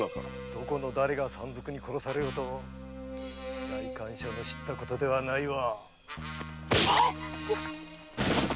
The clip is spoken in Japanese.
どこの誰が山賊に殺されようと代官所の知ったことではないわ。